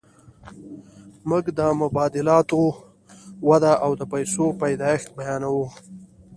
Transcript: موږ د مبادلاتو وده او د پیسو پیدایښت بیانوو